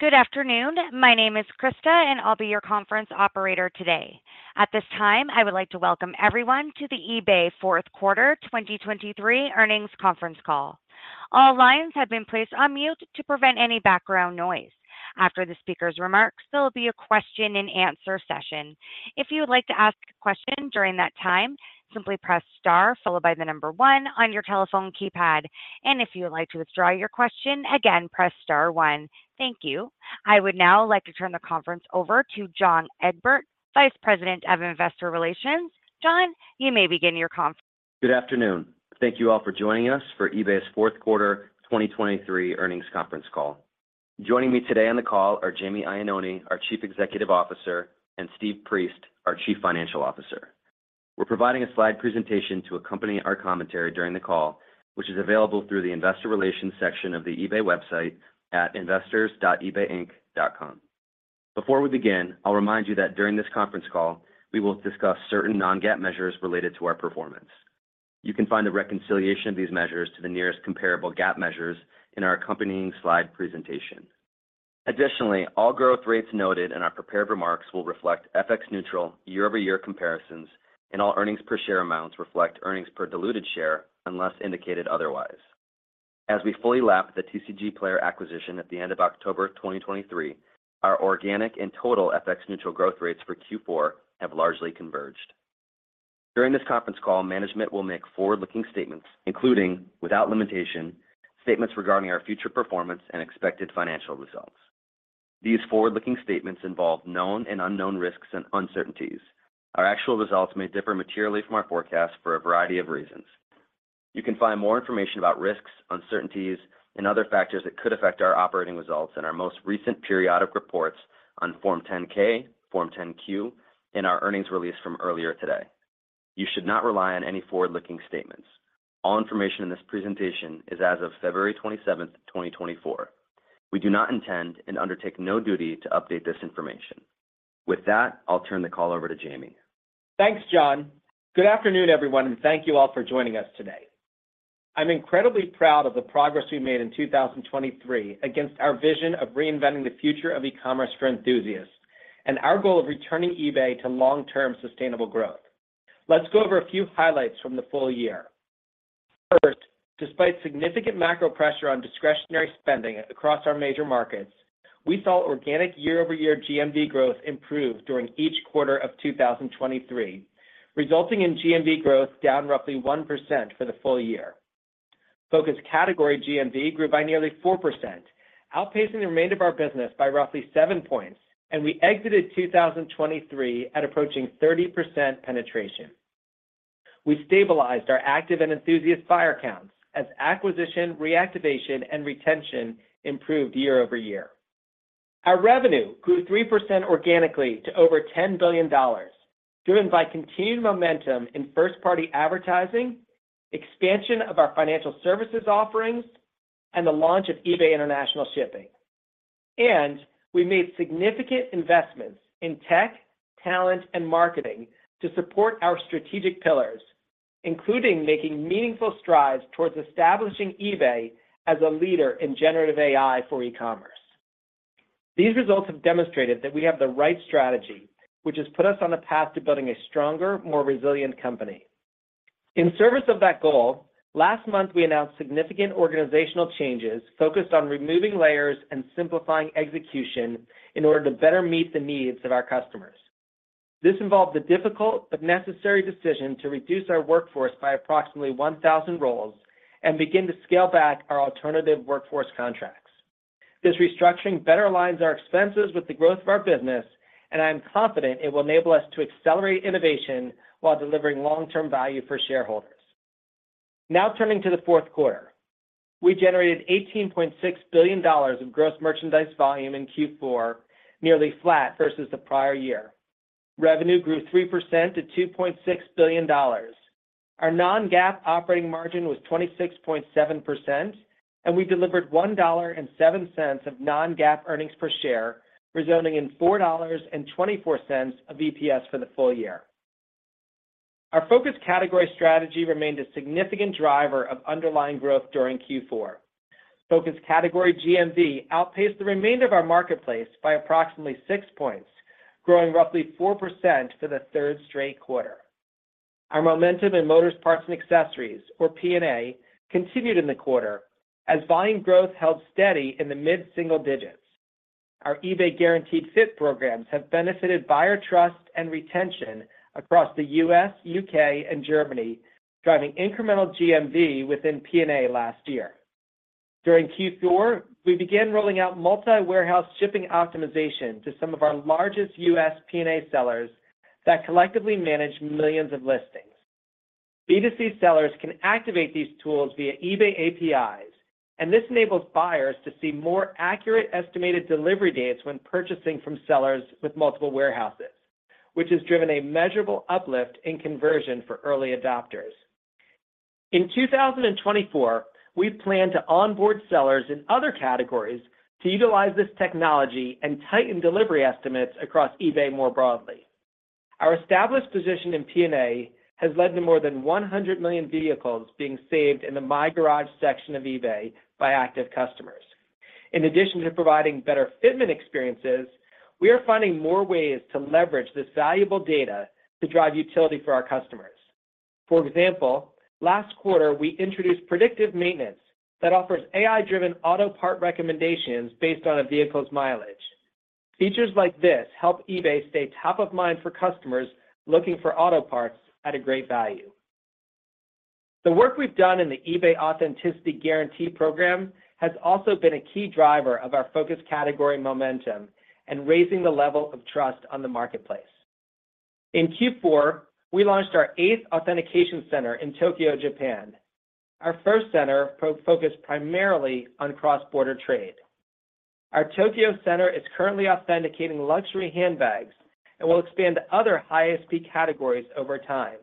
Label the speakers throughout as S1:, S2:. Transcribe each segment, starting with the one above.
S1: Good afternoon. My name is Krista, and I'll be your conference operator today. At this time, I would like to welcome everyone to the eBay Fourth Quarter 2023 Earnings Conference Call. All lines have been placed on mute to prevent any background noise. After the speaker's remarks, there will be a question-and-answer session. If you would like to ask a question during that time, simply press star followed by the number one on your telephone keypad. If you would like to withdraw your question, again, press star one. Thank you. I would now like to turn the conference over to John Egbert, Vice President of Investor Relations. John, you may begin your conference.
S2: Good afternoon. Thank you all for joining us for eBay's Fourth Quarter 2023 Earnings Conference Call. Joining me today on the call are Jamie Iannone, our Chief Executive Officer, and Steve Priest, our Chief Financial Officer. We're providing a slide presentation to accompany our commentary during the call, which is available through the Investor Relations section of the eBay website at investors.ebayinc.com. Before we begin, I'll remind you that during this conference call, we will discuss certain non-GAAP measures related to our performance. You can find a reconciliation of these measures to the nearest comparable GAAP measures in our accompanying slide presentation. Additionally, all growth rates noted in our prepared remarks will reflect FX neutral year-over-year comparisons, and all earnings per share amounts reflect earnings per diluted share unless indicated otherwise. As we fully lap the TCGplayer acquisition at the end of October 2023, our organic and total FX neutral growth rates for Q4 have largely converged. During this conference call, management will make forward-looking statements, including, without limitation, statements regarding our future performance and expected financial results. These forward-looking statements involve known and unknown risks and uncertainties. Our actual results may differ materially from our forecast for a variety of reasons. You can find more information about risks, uncertainties, and other factors that could affect our operating results in our most recent periodic reports on Form 10-K, Form 10-Q, and our earnings release from earlier today. You should not rely on any forward-looking statements. All information in this presentation is as of February 27, 2024. We do not intend and undertake no duty to update this information. With that, I'll turn the call over to Jamie.
S3: Thanks, John. Good afternoon, everyone, and thank you all for joining us today. I'm incredibly proud of the progress we made in 2023 against our vision of reinventing the future of e-commerce for enthusiasts, and our goal of returning eBay to long-term sustainable growth. Let's go over a few highlights from the full year. First, despite significant macro pressure on discretionary spending across our major markets, we saw organic year-over-year GMV growth improve during each quarter of 2023, resulting in GMV growth down roughly 1% for the full year. Focus Category GMV grew by nearly 4%, outpacing the remainder of our business by roughly 7 points, and we exited 2023 at approaching 30% penetration. We stabilized our active and enthusiast buyer counts as acquisition, reactivation, and retention improved year-over-year. Our revenue grew 3% organically to over $10 billion, driven by continued momentum in first-party advertising, expansion of our financial services offerings, and the launch of eBay International Shipping. We made significant investments in tech, talent, and marketing to support our strategic pillars, including making meaningful strides towards establishing eBay as a leader in generative AI for e-commerce. These results have demonstrated that we have the right strategy, which has put us on the path to building a stronger, more resilient company. In service of that goal, last month, we announced significant organizational changes focused on removing layers and simplifying execution in order to better meet the needs of our customers. This involved the difficult but necessary decision to reduce our workforce by approximately 1,000 roles and begin to scale back our alternative workforce contracts. This restructuring better aligns our expenses with the growth of our business, and I am confident it will enable us to accelerate innovation while delivering long-term value for shareholders. Now, turning to the fourth quarter. We generated $18.6 billion of gross merchandise volume in Q4, nearly flat versus the prior year. Revenue grew 3% to $2.6 billion. Our non-GAAP operating margin was 26.7%, and we delivered $1.07 of non-GAAP earnings per share, resulting in $4.24 of EPS for the full year. Our Focus Category strategy remained a significant driver of underlying growth during Q4. Focus Category GMV outpaced the remainder of our marketplace by approximately 6 points, growing roughly 4% for the third straight quarter. Our momentum in Motors, Parts, and Accessories, or P&A, continued in the quarter as volume growth held steady in the mid-single digits. Our eBay Guaranteed Fit programs have benefited buyer trust and retention across the U.S., U.K., and Germany, driving incremental GMV within P&A last year. During Q4, we began rolling out multi-warehouse shipping optimization to some of our largest U.S. P&A sellers that collectively manage millions of listings. B2C sellers can activate these tools via eBay APIs, and this enables buyers to see more accurate estimated delivery dates when purchasing from sellers with multiple warehouses, which has driven a measurable uplift in conversion for early adopters. In 2024, we plan to onboard sellers in other categories to utilize this technology and tighten delivery estimates across eBay more broadly. Our established position in P&A has led to more than 100 million vehicles being saved in the My Garage section of eBay by active customers. In addition to providing better fitment experiences, we are finding more ways to leverage this valuable data to drive utility for our customers. For example, last quarter, we introduced predictive maintenance that offers AI-driven auto part recommendations based on a vehicle's mileage. Features like this help eBay stay top of mind for customers looking for auto parts at a great value. The work we've done in the eBay Authenticity Guarantee program has also been a key driver of our Focus Category momentum and raising the level of trust on the marketplace. In Q4, we launched our eighth authentication center in Tokyo, Japan, our first center focused primarily on cross-border trade. Our Tokyo center is currently authenticating luxury handbags, and will expand to other highest fee categories over time.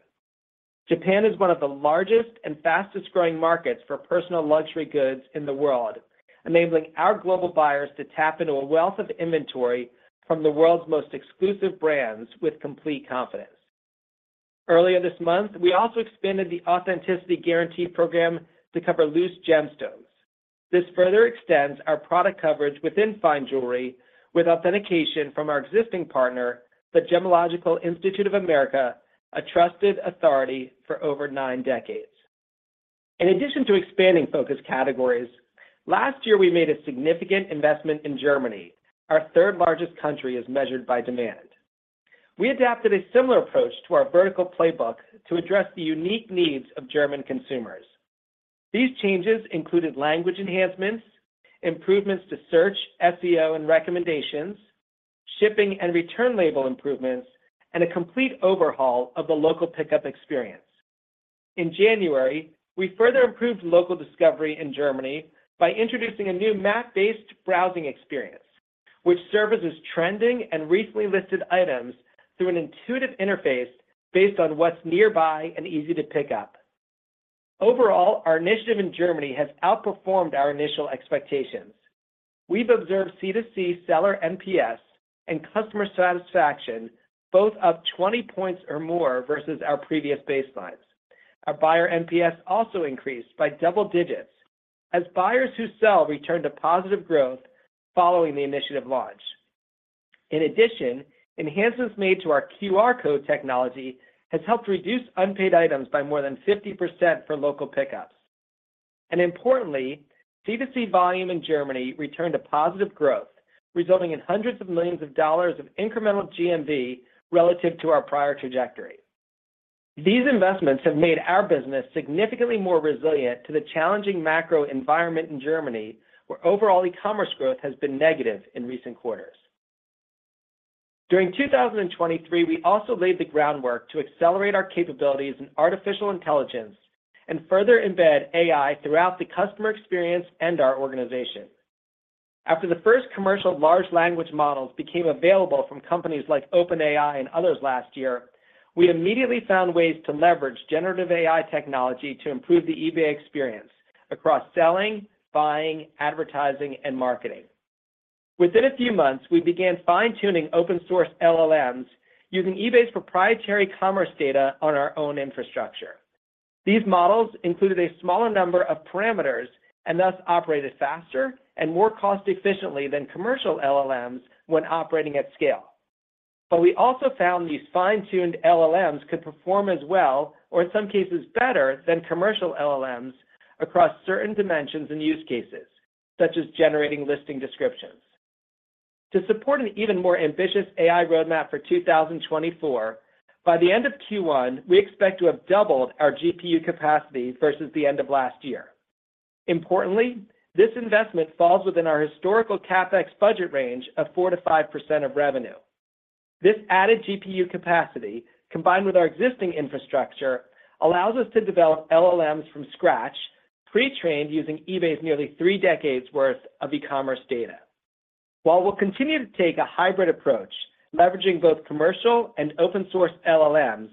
S3: Japan is one of the largest and fastest-growing markets for personal luxury goods in the world, enabling our global buyers to tap into a wealth of inventory from the world's most exclusive brands with complete confidence. Earlier this month, we also expanded the Authenticity Guarantee program to cover loose gemstones. This further extends our product coverage within fine jewelry with authentication from our existing partner, the Gemological Institute of America, a trusted authority for over nine decades. In addition to expanding Focus Categories, last year we made a significant investment in Germany, our third-largest country, as measured by demand. We adapted a similar approach to our vertical playbook to address the unique needs of German consumers. These changes included language enhancements, improvements to search, SEO, and recommendations, shipping and return label improvements, and a complete overhaul of the local pickup experience. In January, we further improved local discovery in Germany by introducing a new map-based browsing experience, which services trending and recently listed items through an intuitive interface based on what's nearby and easy to pick up. Overall, our initiative in Germany has outperformed our initial expectations. We've observed C2C seller NPS and customer satisfaction, both up 20 points or more versus our previous baselines. Our buyer NPS also increased by double digits as buyers who sell returned to positive growth following the initiative launch. In addition, enhancements made to our QR code technology has helped reduce unpaid items by more than 50% for local pickups. Importantly, C2C volume in Germany returned to positive growth, resulting in hundreds of millions dollars of incremental GMV relative to our prior trajectory. These investments have made our business significantly more resilient to the challenging macro environment in Germany, where overall e-commerce growth has been negative in recent quarters. During 2023, we also laid the groundwork to accelerate our capabilities in artificial intelligence and further embed AI throughout the customer experience and our organization. After the first commercial large language models became available from companies like OpenAI and others last year, we immediately found ways to leverage generative AI technology to improve the eBay experience across selling, buying, advertising, and marketing. Within a few months, we began fine-tuning open source LLMs using eBay's proprietary commerce data on our own infrastructure. These models included a smaller number of parameters, and thus operated faster and more cost-efficiently than commercial LLMs when operating at scale. But we also found these fine-tuned LLMs could perform as well, or in some cases better than commercial LLMs, across certain dimensions and use cases, such as generating listing descriptions. To support an even more ambitious AI roadmap for 2024, by the end of Q1, we expect to have doubled our GPU capacity versus the end of last year. Importantly, this investment falls within our historical CapEx budget range of 4%-5% of revenue. This added GPU capacity, combined with our existing infrastructure, allows us to develop LLMs from scratch, pre-trained using eBay's nearly three decades' worth of e-commerce data. While we'll continue to take a hybrid approach, leveraging both commercial and open source LLMs,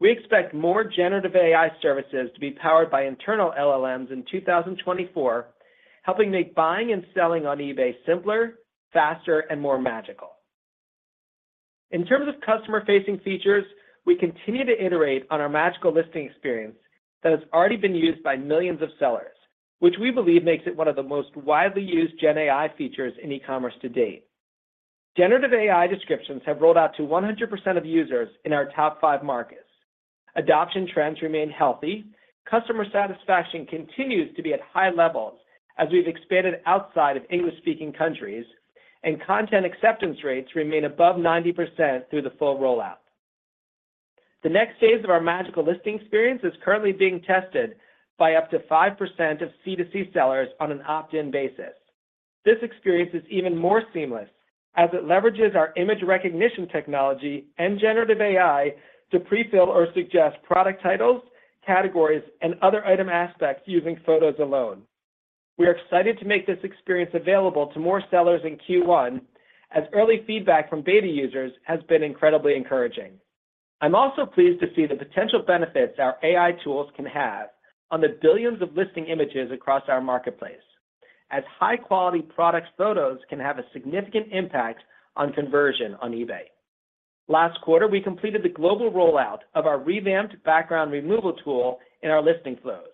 S3: we expect more generative AI services to be powered by internal LLMs in 2024, helping make buying and selling on eBay simpler, faster, and more magical. In terms of customer-facing features, we continue to iterate on our magical listing experience that has already been used by millions of sellers, which we believe makes it one of the most widely used GenAI features in e-commerce to date. Generative AI descriptions have rolled out to 100% of users in our top five markets. Adoption trends remain healthy. Customer satisfaction continues to be at high levels as we've expanded outside of English-speaking countries, and content acceptance rates remain above 90% through the full rollout. The next phase of our magical listing experience is currently being tested by up to 5% of C2C sellers on an opt-in basis. This experience is even more seamless, as it leverages our image recognition technology and generative AI to pre-fill or suggest product titles, categories, and other item aspects using photos alone. We are excited to make this experience available to more sellers in Q1, as early feedback from beta users has been incredibly encouraging. I'm also pleased to see the potential benefits our AI tools can have on the billions of listing images across our marketplace, as high-quality product photos can have a significant impact on conversion on eBay. Last quarter, we completed the global rollout of our revamped background removal tool in our listing flows,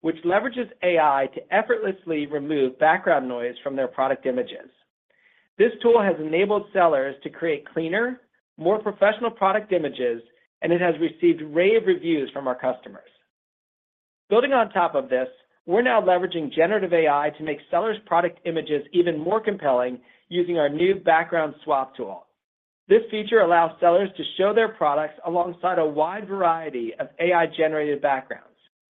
S3: which leverages AI to effortlessly remove background noise from their product images. This tool has enabled sellers to create cleaner, more professional product images, and it has received rave reviews from our customers. Building on top of this, we're now leveraging generative AI to make sellers' product images even more compelling using our new background swap tool. This feature allows sellers to show their products alongside a wide variety of AI-generated backgrounds.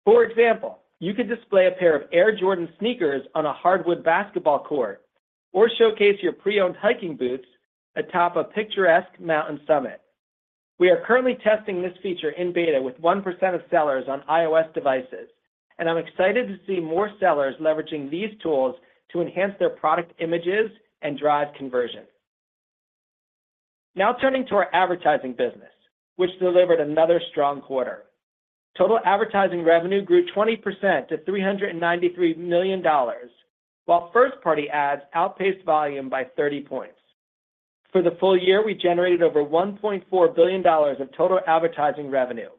S3: For example, you could display a pair of Air Jordan sneakers on a hardwood basketball court, or showcase your pre-owned hiking boots atop a picturesque mountain summit. We are currently testing this feature in beta with 1% of sellers on iOS devices, and I'm excited to see more sellers leveraging these tools to enhance their product images and drive conversion. Now, turning to our advertising business, which delivered another strong quarter. Total advertising revenue grew 20% to $393 million, while first-party ads outpaced volume by 30 points. For the full year, we generated over $1.4 billion of total advertising revenue,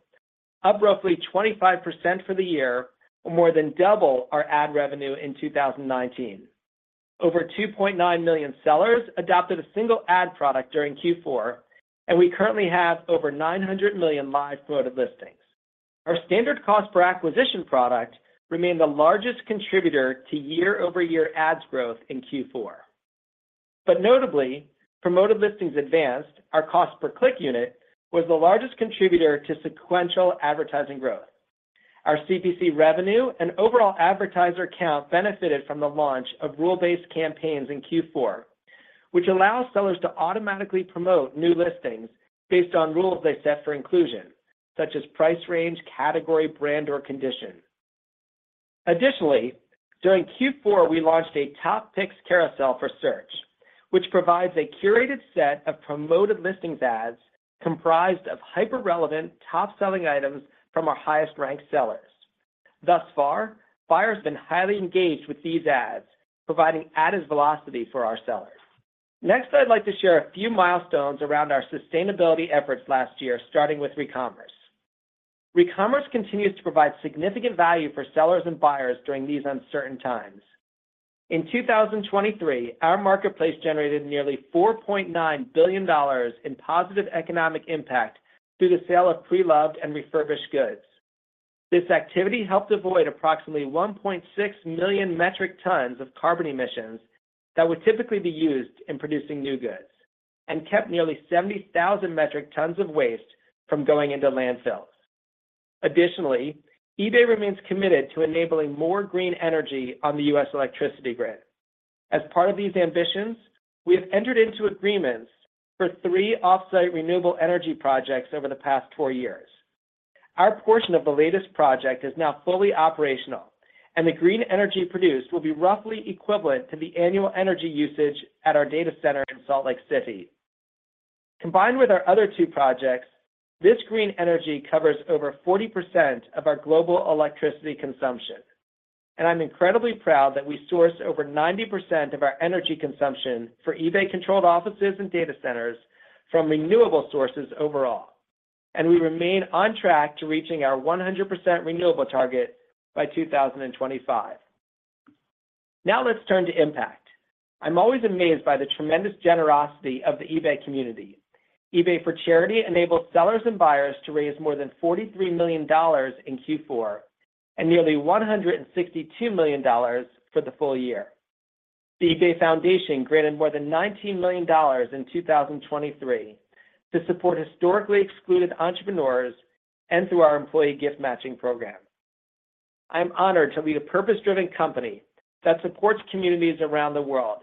S3: up roughly 25% for the year, more than double our ad revenue in 2019. Over 2.9 million sellers adopted a single ad product during Q4, and we currently have over 900 million live promoted listings. Our standard cost per acquisition product remained the largest contributor to year-over-year ads growth in Q4. But notably, Promoted Listings Advanced, our cost per click unit, was the largest contributor to sequential advertising growth. Our CPC revenue and overall advertiser count benefited from the launch of rule-based campaigns in Q4, which allows sellers to automatically promote new listings based on rules they set for inclusion, such as price range, category, brand, or condition. Additionally, during Q4, we launched a Top Picks carousel for search, which provides a curated set of promoted listings ads comprised of hyper-relevant, top-selling items from our highest-ranked sellers. Thus far, buyers have been highly engaged with these ads, providing added velocity for our sellers. Next, I'd like to share a few milestones around our sustainability efforts last year, starting with recommerce. Recommerce continues to provide significant value for sellers and buyers during these uncertain times. In 2023, our marketplace generated nearly $4.9 billion in positive economic impact through the sale of pre-loved and refurbished goods. This activity helped avoid approximately 1.6 million metric tons of carbon emissions that would typically be used in producing new goods, and kept nearly 70,000 metric tons of waste from going into landfills. Additionally, eBay remains committed to enabling more green energy on the U.S. electricity grid. As part of these ambitions, we have entered into agreements for three off-site renewable energy projects over the past four years. Our portion of the latest project is now fully operational, and the green energy produced will be roughly equivalent to the annual energy usage at our data center in Salt Lake City. Combined with our other two projects, this green energy covers over 40% of our global electricity consumption, and I'm incredibly proud that we source over 90% of our energy consumption for eBay-controlled offices and data centers from renewable sources overall, and we remain on track to reaching our 100% renewable target by 2025. Now, let's turn to impact. I'm always amazed by the tremendous generosity of the eBay community. eBay for Charity enabled sellers and buyers to raise more than $43 million in Q4, and nearly $162 million for the full year. The eBay Foundation granted more than $19 million in 2023 to support historically excluded entrepreneurs and through our employee gift matching program. I'm honored to lead a purpose-driven company that supports communities around the world.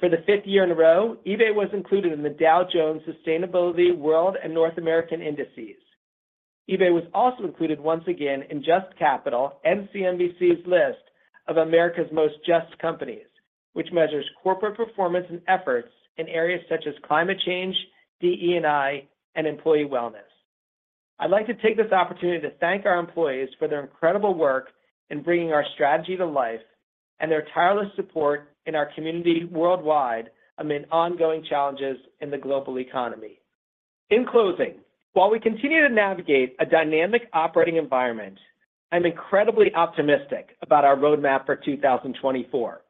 S3: For the fifth year in a row, eBay was included in the Dow Jones Sustainability World and North American Indices. eBay was also included once again in JUST Capital, CNBC's list of America's Most JUST Companies, which measures corporate performance and efforts in areas such as climate change, DE&I, and employee wellness. I'd like to take this opportunity to thank our employees for their incredible work in bringing our strategy to life, and their tireless support in our community worldwide amid ongoing challenges in the global economy. In closing, while we continue to navigate a dynamic operating environment, I'm incredibly optimistic about our roadmap for 2024.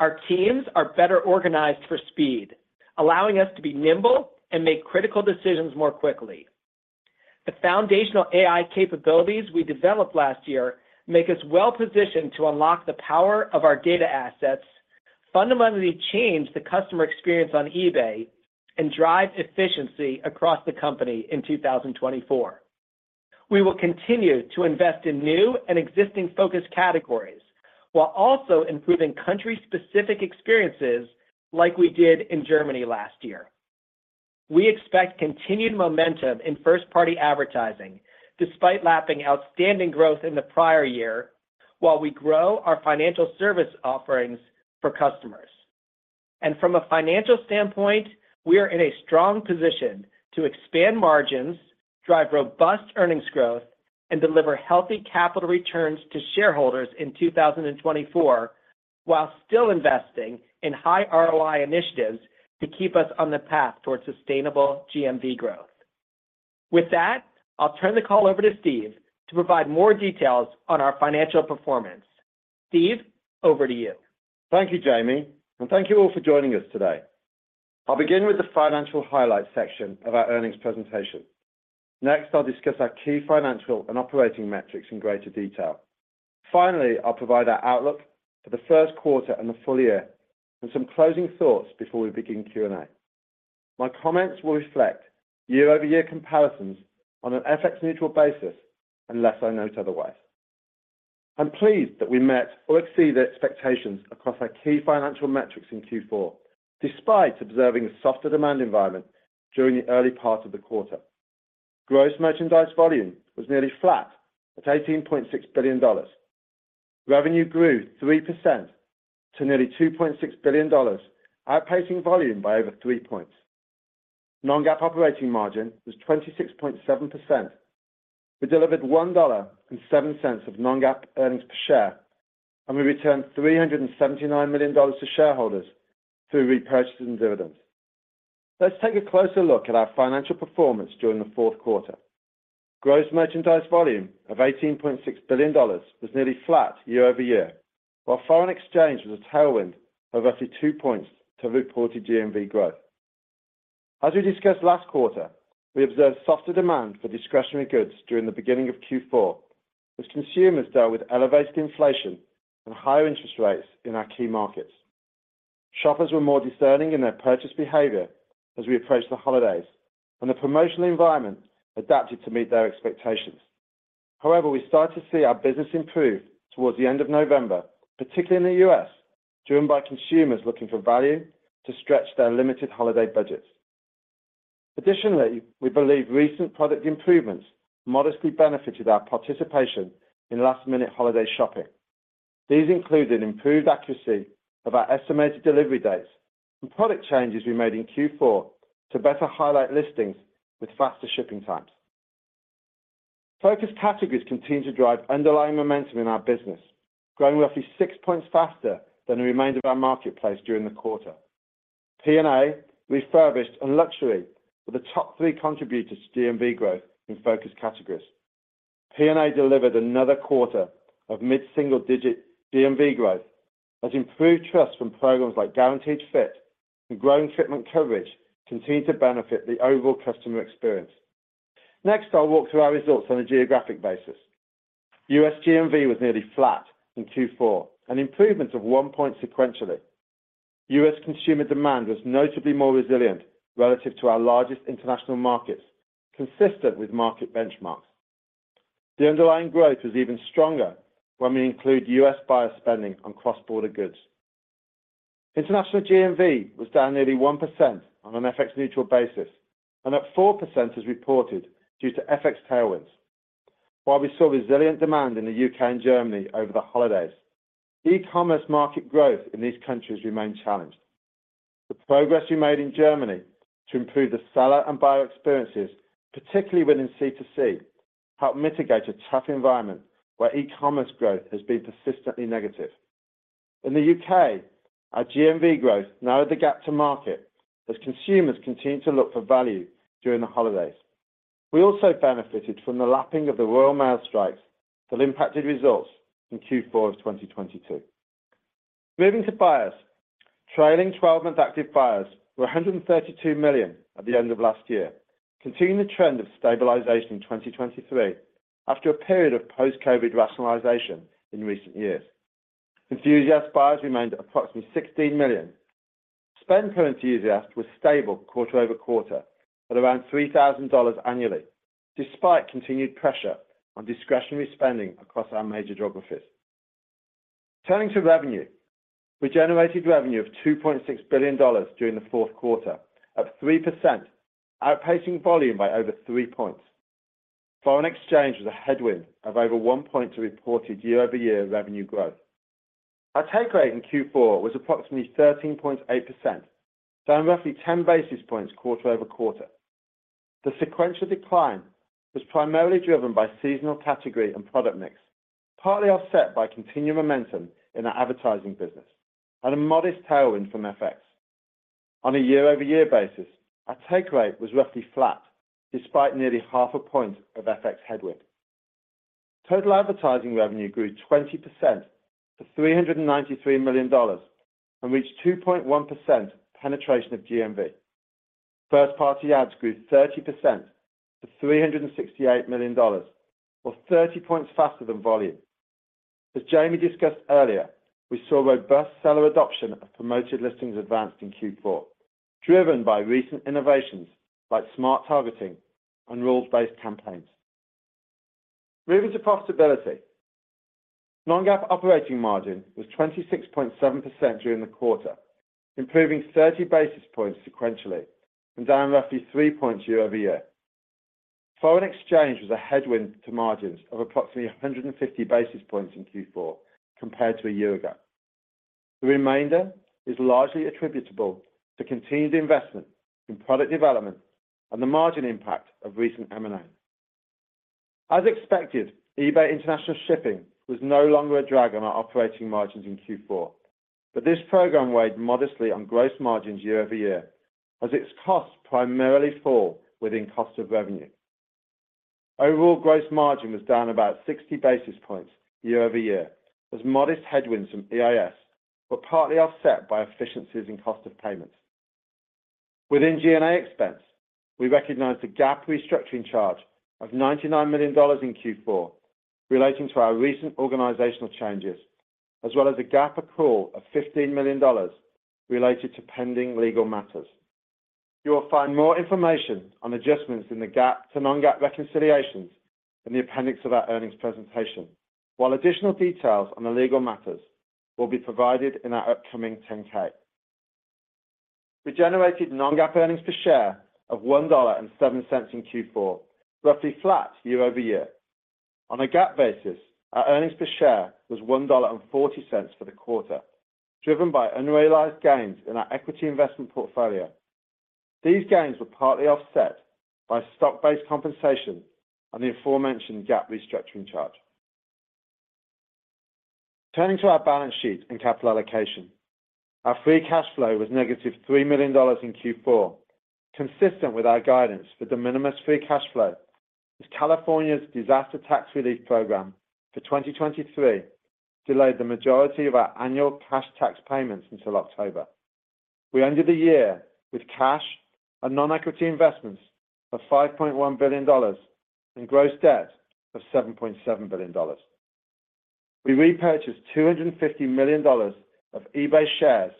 S3: Our teams are better organized for speed, allowing us to be nimble and make critical decisions more quickly. The foundational AI capabilities we developed last year make us well-positioned to unlock the power of our data assets, fundamentally change the customer experience on eBay, and drive efficiency across the company in 2024. We will continue to invest in new and existing Focus Categories, while also improving country-specific experiences like we did in Germany last year. We expect continued momentum in first-party advertising, despite lapping outstanding growth in the prior year, while we grow our financial service offerings for customers. From a financial standpoint, we are in a strong position to expand margins, drive robust earnings growth, and deliver healthy capital returns to shareholders in 2024, while still investing in high ROI initiatives to keep us on the path towards sustainable GMV growth. With that, I'll turn the call over to Steve to provide more details on our financial performance. Steve, over to you.
S4: Thank you, Jamie, and thank you all for joining us today. I'll begin with the financial highlights section of our earnings presentation. Next, I'll discuss our key financial and operating metrics in greater detail. Finally, I'll provide our outlook for the first quarter and the full year, and some closing thoughts before we begin Q&A. My comments will reflect year-over-year comparisons on an FX neutral basis, unless I note otherwise. I'm pleased that we met or exceeded expectations across our key financial metrics in Q4, despite observing a softer demand environment during the early part of the quarter. Gross merchandise volume was nearly flat at $18.6 billion. Revenue grew 3% to nearly $2.6 billion, outpacing volume by over three points. Non-GAAP operating margin was 26.7%. We delivered $1.07 of non-GAAP earnings per share, and we returned $379 million to shareholders through repurchases and dividends. Let's take a closer look at our financial performance during the fourth quarter. Gross merchandise volume of $18.6 billion was nearly flat year-over-year, while foreign exchange was a tailwind of roughly 2 points to reported GMV growth. As we discussed last quarter, we observed softer demand for discretionary goods during the beginning of Q4, as consumers dealt with elevated inflation and higher interest rates in our key markets. Shoppers were more discerning in their purchase behavior as we approached the holidays, and the promotional environment adapted to meet their expectations. However, we started to see our business improve towards the end of November, particularly in the U.S., driven by consumers looking for value to stretch their limited holiday budgets. Additionally, we believe recent product improvements modestly benefited our participation in last-minute holiday shopping. These included improved accuracy of our estimated delivery dates and product changes we made in Q4 to better highlight listings with faster shipping times. Focus categories continued to drive underlying momentum in our business, growing roughly 6 points faster than the remainder of our marketplace during the quarter. P&A, refurbished, and luxury were the top three contributors to GMV growth in Focus Categories. P&A delivered another quarter of mid-single-digit GMV growth, as improved trust from programs like Guaranteed Fit and growing treatment coverage continued to benefit the overall customer experience. Next, I'll walk through our results on a geographic basis. U.S. GMV was nearly flat in Q4, an improvement of 1 point sequentially. U.S. consumer demand was notably more resilient relative to our largest international markets, consistent with market benchmarks. The underlying growth is even stronger when we include U.S. buyer spending on cross-border goods. International GMV was down nearly 1% on an FX neutral basis, and up 4% as reported due to FX tailwinds. While we saw resilient demand in the U.K. and Germany over the holidays, e-commerce market growth in these countries remained challenged. The progress we made in Germany to improve the seller and buyer experiences, particularly within C2C, helped mitigate a tough environment where e-commerce growth has been persistently negative. In the U.K., our GMV growth narrowed the gap to market as consumers continued to look for value during the holidays. We also benefited from the lapping of the Royal Mail strikes that impacted results in Q4 of 2022. Moving to buyers. Trailing 12-month active buyers were 132 million at the end of last year, continuing the trend of stabilization in 2023 after a period of post-COVID rationalization in recent years. Enthusiast buyers remained at approximately 16 million. Spend per enthusiast was stable quarter-over-quarter at around $3,000 annually, despite continued pressure on discretionary spending across our major geographies. Turning to revenue, we generated revenue of $2.6 billion during the fourth quarter, up 3%, outpacing volume by over 3 points. Foreign exchange was a headwind of over 1 point to reported year-over-year revenue growth. Our take rate in Q4 was approximately 13.8%, down roughly 10 basis points quarter-over-quarter. The sequential decline was primarily driven by seasonal category and product mix, partly offset by continuing momentum in our advertising business and a modest tailwind from FX. On a year-over-year basis, our take rate was roughly flat, despite nearly half a point of FX headwind. Total advertising revenue grew 20% to $393 million, and reached 2.1% penetration of GMV. First-party ads grew 30% to $368 million, or 30 points faster than volume. As Jamie discussed earlier, we saw robust seller adoption of Promoted Listings Advanced in Q4, driven by recent innovations like Smart Targeting and rules-based campaigns. Moving to profitability. Non-GAAP operating margin was 26.7% during the quarter, improving 30 basis points sequentially and down roughly 3 points year over year. Foreign exchange was a headwind to margins of approximately 150 basis points in Q4, compared to a year ago. The remainder is largely attributable to continued investment in product development and the margin impact of recent M&A. As expected, eBay International Shipping was no longer a drag on our operating margins in Q4, but this program weighed modestly on gross margins year-over-year, as its costs primarily fall within cost of revenue. Overall gross margin was down about 60 basis points year-over-year, as modest headwinds from EIS were partly offset by efficiencies in cost of payments. Within G&A expense, we recognized a GAAP restructuring charge of $99 million in Q4, relating to our recent organizational changes, as well as a GAAP accrual of $15 million related to pending legal matters. You will find more information on adjustments in the GAAP to non-GAAP reconciliations in the appendix of our earnings presentation, while additional details on the legal matters will be provided in our upcoming 10-K. We generated non-GAAP earnings per share of $1.07 in Q4, roughly flat year-over-year. On a GAAP basis, our earnings per share was $1.40 for the quarter, driven by unrealized gains in our equity investment portfolio. These gains were partly offset by stock-based compensation and the aforementioned GAAP restructuring charge. Turning to our balance sheet and capital allocation, our free cash flow was -$3 million in Q4, consistent with our guidance for de minimis free cash flow, as California's disaster tax relief program for 2023 delayed the majority of our annual cash tax payments until October. We ended the year with cash and non-equity investments of $5.1 billion, and gross debt of $7.7 billion. We repurchased $250 million of eBay shares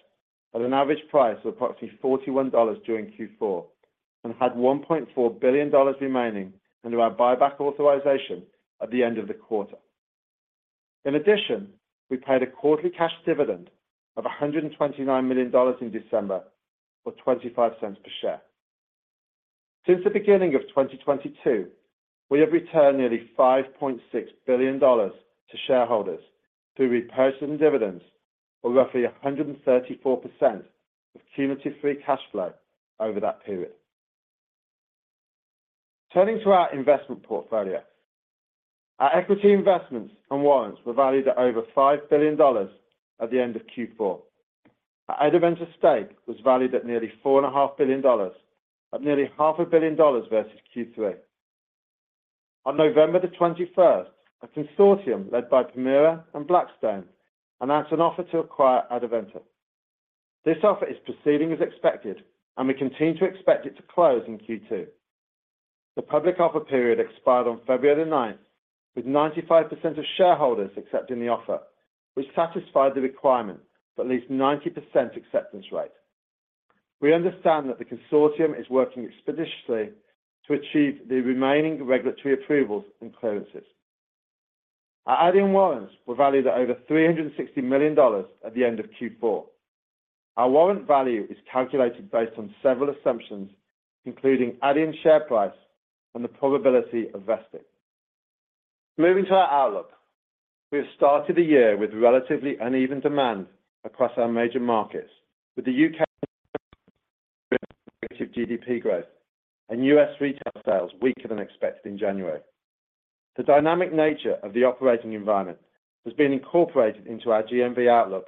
S4: at an average price of approximately $41 during Q4, and had $1.4 billion remaining under our buyback authorization at the end of the quarter. In addition, we paid a quarterly cash dividend of $129 million in December, or $0.25 per share. Since the beginning of 2022, we have returned nearly $5.6 billion to shareholders through repurchasing dividends, or roughly 134% of cumulative free cash flow over that period. Turning to our investment portfolio, our equity investments and warrants were valued at over $5 billion at the end of Q4. Our Adevinta stake was valued at nearly $4.5 billion, up nearly $0.5 billion versus Q3. On November 21st, a consortium led by Permira and Blackstone announced an offer to acquire Adevinta. This offer is proceeding as expected, and we continue to expect it to close in Q2. The public offer period expired on February 9, with 95% of shareholders accepting the offer, which satisfied the requirement for at least 90% acceptance rate. We understand that the consortium is working expeditiously to achieve the remaining regulatory approvals and clearances. Our Adyen warrants were valued at over $360 million at the end of Q4. Our warrant value is calculated based on several assumptions, including Adyen share price and the probability of vesting. Moving to our outlook, we have started the year with relatively uneven demand across our major markets, with the U.K. GDP growth and U.S. retail sales weaker than expected in January. The dynamic nature of the operating environment has been incorporated into our GMV outlook,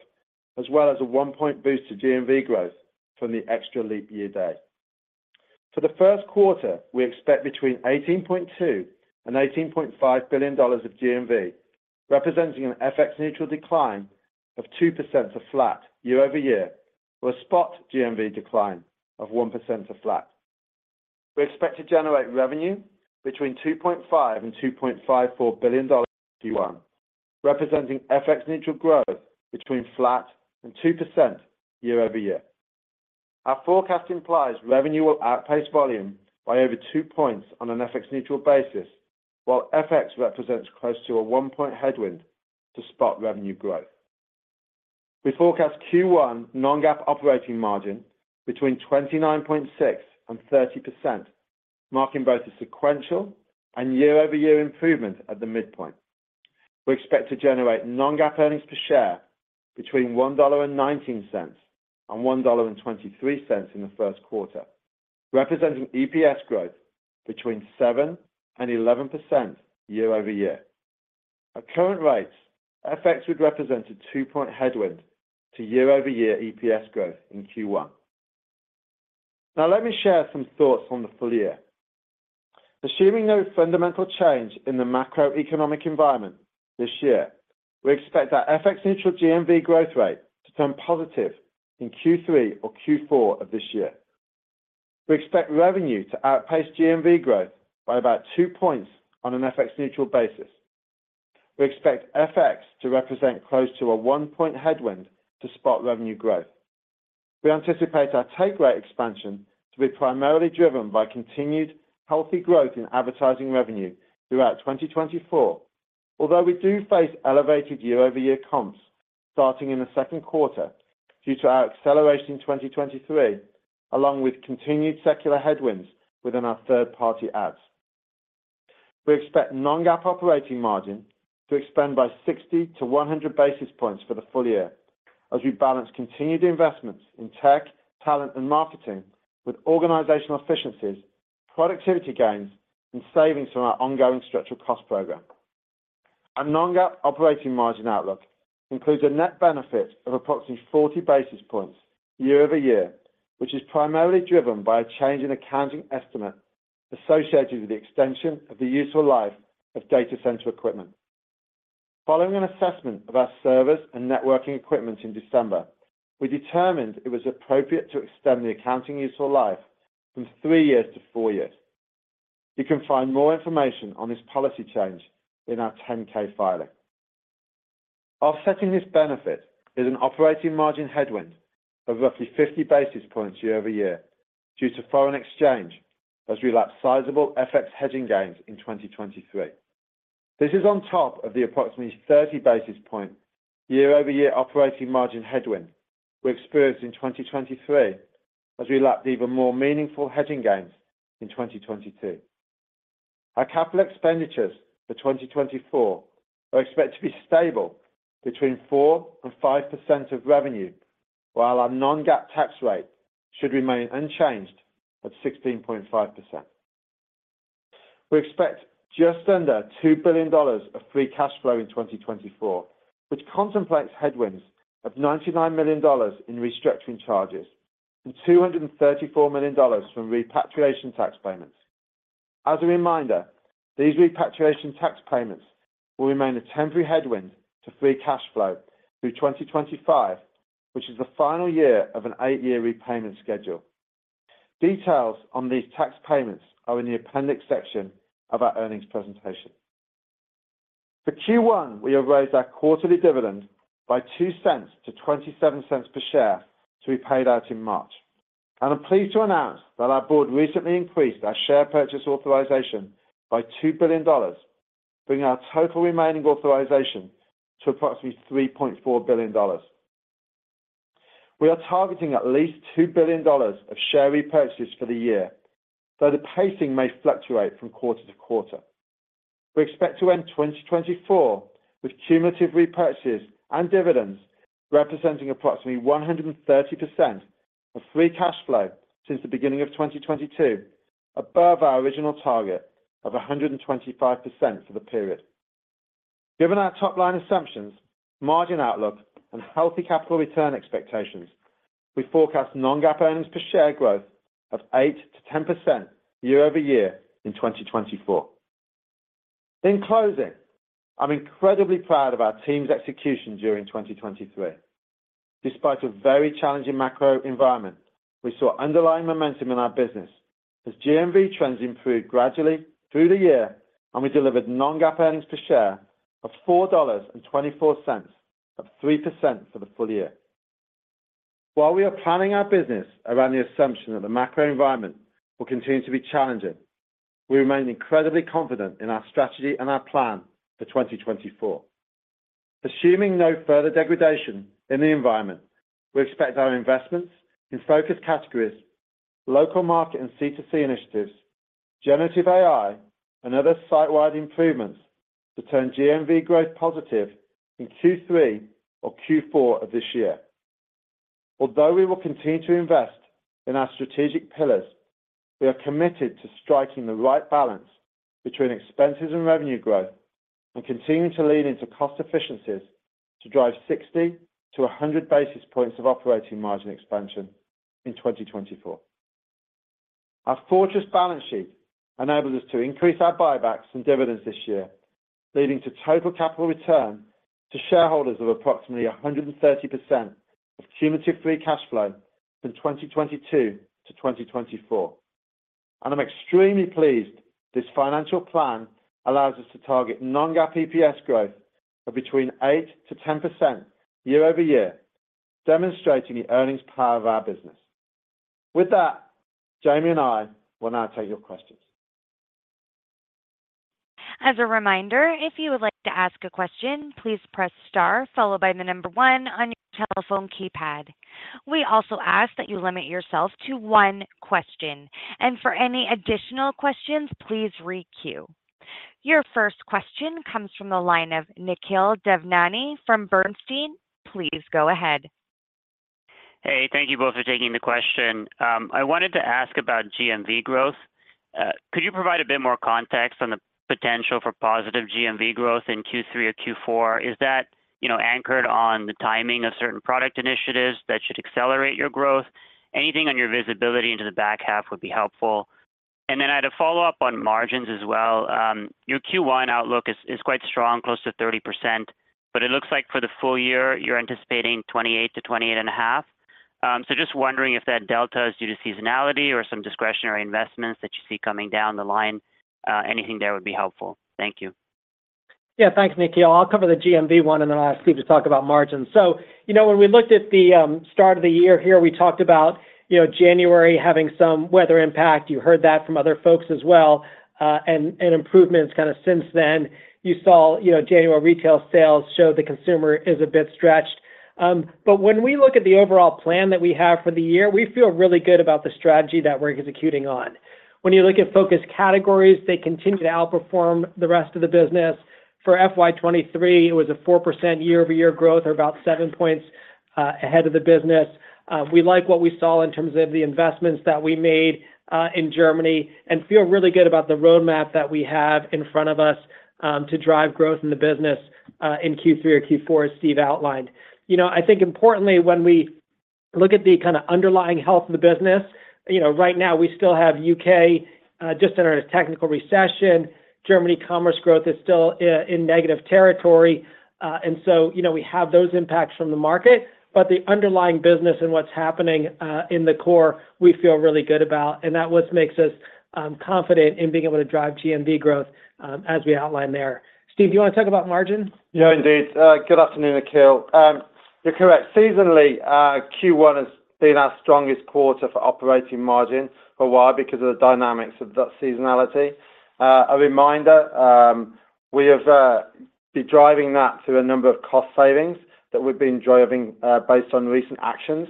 S4: as well as a 1-point boost to GMV growth from the extra leap year day. For the first quarter, we expect between $18.2 billion and $18.5 billion of GMV, representing an FX neutral decline of 2% to flat year-over-year, with a spot GMV decline of 1% to flat. We expect to generate revenue between $2.5 billion and $2.54 billion Q1, representing FX neutral growth between flat and 2% year-over-year. Our forecast implies revenue will outpace volume by over 2 points on an FX-neutral basis, while FX represents close to a 1-point headwind to spot revenue growth. We forecast Q1 non-GAAP operating margin between 29.6% and 30%, marking both a sequential and year-over-year improvement at the midpoint. We expect to generate non-GAAP earnings per share between $1.19 and $1.23 in the first quarter, representing EPS growth between 7% and 11% year-over-year. At current rates, FX would represent a 2-point headwind to year-over-year EPS growth in Q1. Now, let me share some thoughts on the full year. Assuming no fundamental change in the macroeconomic environment this year, we expect our FX-neutral GMV growth rate to turn positive in Q3 or Q4 of this year. We expect revenue to outpace GMV growth by about 2 points on an FX neutral basis. We expect FX to represent close to a 1-point headwind to spot revenue growth. We anticipate our take rate expansion to be primarily driven by continued healthy growth in advertising revenue throughout 2024. Although we do face elevated year-over-year comps starting in the second quarter, due to our acceleration in 2023, along with continued secular headwinds within our third-party ads. We expect non-GAAP operating margin to expand by 60-100 basis points for the full year, as we balance continued investments in tech, talent, and marketing, with organizational efficiencies, productivity gains, and savings from our ongoing structural cost program. Our non-GAAP operating margin outlook includes a net benefit of approximately 40 basis points year-over-year, which is primarily driven by a change in accounting estimate associated with the extension of the useful life of data center equipment. Following an assessment of our servers and networking equipment in December, we determined it was appropriate to extend the accounting useful life from three years to four years. You can find more information on this policy change in our 10-K filing. Offsetting this benefit is an operating margin headwind of roughly 50 basis points year-over-year, due to foreign exchange, as we lap sizable FX hedging gains in 2023. This is on top of the approximately 30 basis points year-over-year operating margin headwind we experienced in 2023, as we lapped even more meaningful hedging gains in 2022. Our capital expenditures for 2024 are expected to be stable between 4%-5% of revenue, while our non-GAAP tax rate should remain unchanged at 16.5%. We expect just under $2 billion of free cash flow in 2024, which contemplates headwinds of $99 million in restructuring charges and $234 million from repatriation tax payments. As a reminder, these repatriation tax payments will remain a temporary headwind to free cash flow through 2025, which is the final year of an eight-year repayment schedule. Details on these tax payments are in the appendix section of our earnings presentation. For Q1, we have raised our quarterly dividend by $0.02 to $0.27 per share to be paid out in March. I'm pleased to announce that our board recently increased our share purchase authorization by $2 billion, bringing our total remaining authorization to approximately $3.4 billion. We are targeting at least $2 billion of share repurchases for the year, though the pacing may fluctuate from quarter to quarter. We expect to end 2024 with cumulative repurchases and dividends, representing approximately 130% of free cash flow since the beginning of 2022, above our original target of 125% for the period. Given our top-line assumptions, margin outlook, and healthy capital return expectations, we forecast non-GAAP earnings per share growth of 8%-10% year-over-year in 2024. In closing, I'm incredibly proud of our team's execution during 2023. Despite a very challenging macro environment, we saw underlying momentum in our business as GMV trends improved gradually through the year, and we delivered non-GAAP earnings per share of $4.24, up 3% for the full year. While we are planning our business around the assumption that the macro environment will continue to be challenging, we remain incredibly confident in our strategy and our plan for 2024. Assuming no further degradation in the environment, we expect our investments in focused categories, local market and C2C initiatives, generative AI, and other site-wide improvements to turn GMV growth positive in Q3 or Q4 of this year. Although we will continue to invest in our strategic pillars, we are committed to striking the right balance between expenses and revenue growth, and continuing to lean into cost efficiencies to drive 60-100 basis points of operating margin expansion in 2024. Our fortress balance sheet enables us to increase our buybacks and dividends this year, leading to total capital return to shareholders of approximately 130% of cumulative free cash flow from 2022-2024. And I'm extremely pleased this financial plan allows us to target non-GAAP EPS growth of between 8%-10% year-over-year, demonstrating the earnings power of our business. With that, Jamie and I will now take your questions.
S1: As a reminder, if you would like to ask a question, please press star followed by the number one on your telephone keypad. We also ask that you limit yourself to one question, and for any additional questions, please re-queue. Your first question comes from the line of Nikhil Devnani from Bernstein. Please go ahead.
S5: Hey, thank you both for taking the question. I wanted to ask about GMV growth. Could you provide a bit more context on the potential for positive GMV growth in Q3 or Q4? Is that, you know, anchored on the timing of certain product initiatives that should accelerate your growth? Anything on your visibility into the back half would be helpful. And then I had a follow-up on margins as well. Your Q1 outlook is quite strong, close to 30%, but it looks like for the full year, you're anticipating 28%-28.5%. So just wondering if that delta is due to seasonality or some discretionary investments that you see coming down the line. Anything there would be helpful. Thank you.
S3: Yeah. Thanks, Nikhil. I'll cover the GMV one, and then I'll ask Steve to talk about margins. So you know, when we looked at the start of the year here, we talked about, you know, January having some weather impact. You heard that from other folks as well, and improvements kind of since then. You saw, you know, January retail sales show the consumer is a bit stretched. But when we look at the overall plan that we have for the year, we feel really good about the strategy that we're executing on. When you look at Focus Categories, they continue to outperform the rest of the business. For FY 2023, it was a 4% year-over-year growth, or about 7 points ahead of the business. We like what we saw in terms of the investments that we made in Germany, and feel really good about the roadmap that we have in front of us to drive growth in the business in Q3 or Q4, as Steve outlined. You know, I think importantly, when we look at the kind of underlying health of the business, you know, right now, we still have U.K. just entered a technical recession. Germany commerce growth is still in negative territory. And so, you know, we have those impacts from the market, but the underlying business and what's happening in the core, we feel really good about, and that what makes us confident in being able to drive GMV growth as we outlined there. Steve, do you want to talk about margins?
S4: Yeah, indeed. Good afternoon, Nikhil. You're correct. Seasonally, Q1 has been our strongest quarter for operating margin. For why? Because of the dynamics of the seasonality. A reminder, we have been driving that through a number of cost savings that we've been driving, based on recent actions,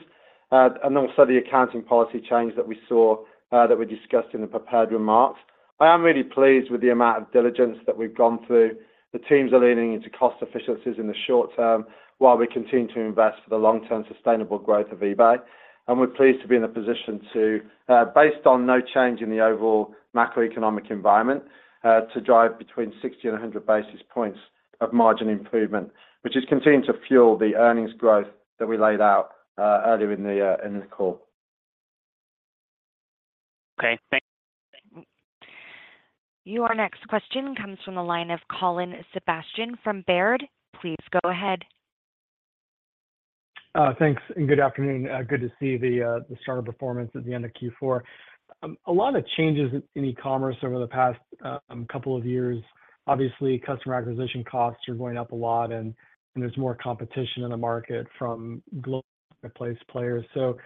S4: and also the accounting policy change that we saw, that we discussed in the prepared remarks. I am really pleased with the amount of diligence that we've gone through. The teams are leaning into cost efficiencies in the short term, while we continue to invest for the long-term sustainable growth of eBay. We're pleased to be in a position to, based on no change in the overall macroeconomic environment, to drive between 60 and 100 basis points of margin improvement, which is continuing to fuel the earnings growth that we laid out, earlier in the call.
S5: Okay, thank you.
S1: Your next question comes from the line of Colin Sebastian from Baird. Please go ahead.
S6: Thanks, and good afternoon. Good to see the start of performance at the end of Q4. A lot of changes in e-commerce over the past couple of years. Obviously, customer acquisition costs are going up a lot, and, and there's more competition in the market from global marketplace players. So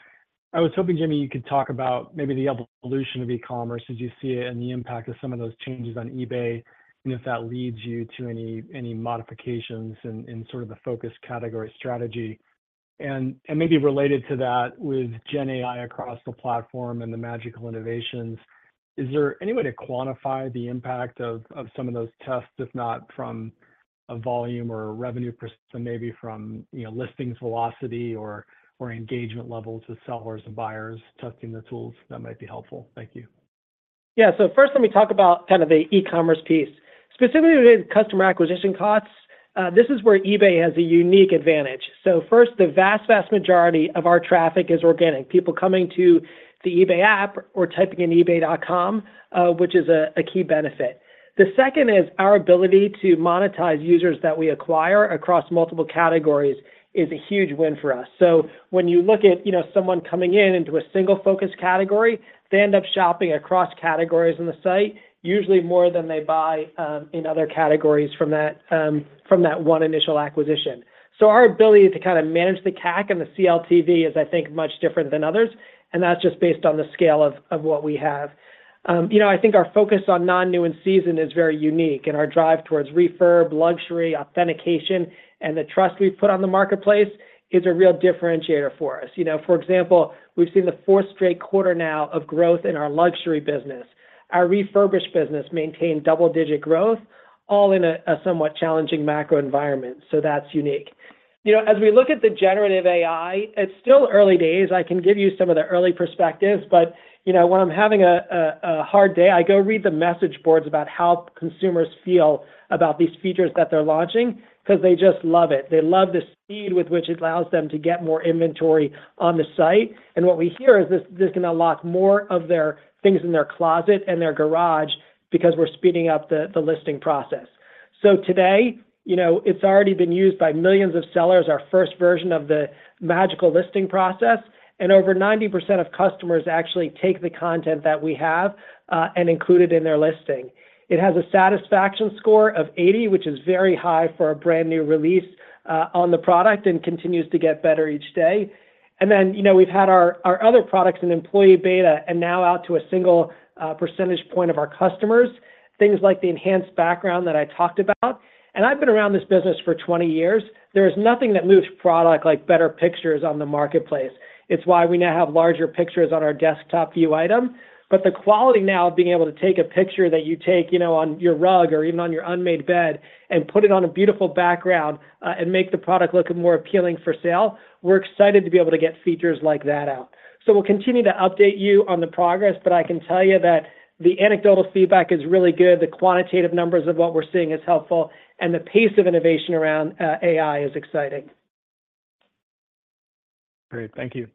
S6: I was hoping, Jamie, you could talk about maybe the evolution of e-commerce as you see it, and the impact of some of those changes on eBay, and if that leads you to any, any modifications in, in sort of the Focus Category strategy. And maybe related to that, with GenAI across the platform and the Magical innovations, is there any way to quantify the impact of some of those tests, if not from a volume or a revenue perspective, maybe from, you know, listings velocity or engagement levels with sellers and buyers testing the tools? That might be helpful. Thank you.
S3: Yeah. So first, let me talk about kind of the e-commerce piece. Specifically, with customer acquisition costs, this is where eBay has a unique advantage. So first, the vast, vast majority of our traffic is organic, people coming to the eBay app or typing in eBay.com, which is a key benefit. The second is our ability to monetize users that we acquire across multiple categories is a huge win for us. So when you look at, you know, someone coming in into a single Focus Category, they end up shopping across categories on the site, usually more than they buy in other categories from that one initial acquisition. So our ability to kind of manage the CAC and the CLTV is, I think, much different than others, and that's just based on the scale of what we have. You know, I think our focus on non-new and sneaker is very unique, and our drive towards refurb, luxury, authentication, and the trust we put on the marketplace is a real differentiator for us. You know, for example, we've seen the fourth straight quarter now of growth in our luxury business. Our refurbished business maintained double-digit growth, all in a somewhat challenging macro environment, so that's unique. You know, as we look at the generative AI, it's still early days. I can give you some of the early perspectives, but, you know, when I'm having a hard day, I go read the message boards about how consumers feel about these features that they're launching because they just love it. They love the speed with which it allows them to get more inventory on the site. What we hear is this, this is going to unlock more of their things in their closet and their garage because we're speeding up the listing process. So today, you know, it's already been used by millions of sellers, our first version of the magical listing process, and over 90% of customers actually take the content that we have and include it in their listing. It has a satisfaction score of 80, which is very high for a brand-new release on the product, and continues to get better each day. And then, you know, we've had our other products in employee beta and now out to a single percentage point of our customers, things like the enhanced background that I talked about. And I've been around this business for 20 years. There is nothing that moves product like better pictures on the marketplace. It's why we now have larger pictures on our desktop view item. But the quality now of being able to take a picture that you take, you know, on your rug or even on your unmade bed and put it on a beautiful background, and make the product look more appealing for sale, we're excited to be able to get features like that out. So we'll continue to update you on the progress, but I can tell you that the anecdotal feedback is really good, the quantitative numbers of what we're seeing is helpful, and the pace of innovation around AI is exciting.
S6: Great. Thank you.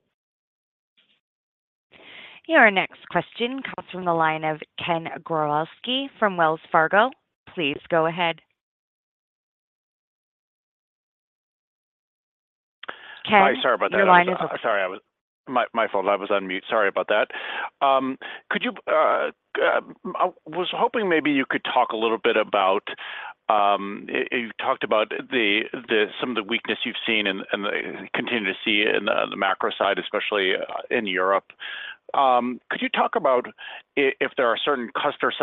S1: Your next question comes from the line of Ken Gawrelski from Wells Fargo. Please go ahead. Ken, your line is-
S7: Hi, sorry about that. Sorry, my fault. I was on mute. Sorry about that. I was hoping maybe you could talk a little bit about. You talked about some of the weakness you've seen and continue to see in the macro side, especially in Europe? Could you talk about if there are certain customer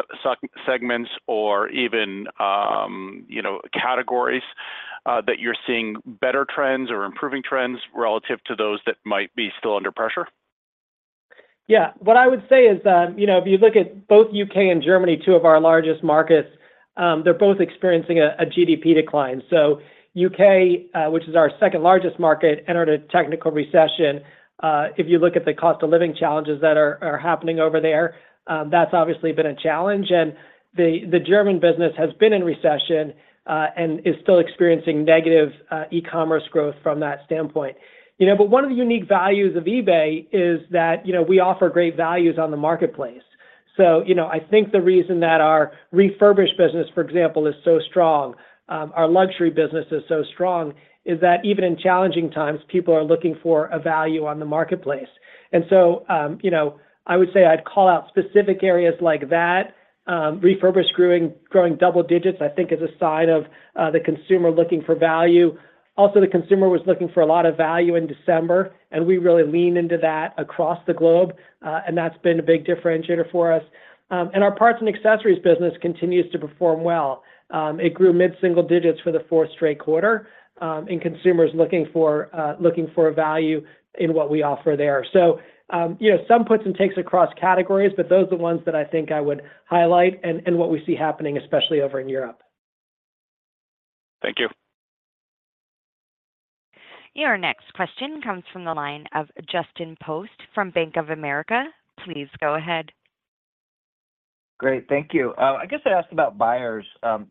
S7: segments or even, you know, categories that you're seeing better trends or improving trends relative to those that might be still under pressure?
S3: Yeah. What I would say is that, you know, if you look at both UK and Germany, two of our largest markets, they're both experiencing a GDP decline. So UK, which is our second largest market, entered a technical recession. If you look at the cost of living challenges that are happening over there, that's obviously been a challenge. And the German business has been in recession, and is still experiencing negative e-commerce growth from that standpoint. You know, but one of the unique values of eBay is that, you know, we offer great values on the marketplace. So, you know, I think the reason that our refurbished business, for example, is so strong, our luxury business is so strong, is that even in challenging times, people are looking for a value on the marketplace. And so, you know, I would say I'd call out specific areas like that, refurbished, growing, growing double digits, I think, is a sign of, the consumer looking for value. Also, the consumer was looking for a lot of value in December, and we really leaned into that across the globe, and that's been a big differentiator for us. And our Parts & Accessories business continues to perform well. It grew mid-single digits for the fourth straight quarter, and consumers looking for, looking for a value in what we offer there. So, you know, some puts and takes across categories, but those are the ones that I think I would highlight and, and what we see happening, especially over in Europe.
S7: Thank you.
S1: Your next question comes from the line of Justin Post from Bank of America. Please go ahead.
S8: Great. Thank you. I guess I'd ask about buyers.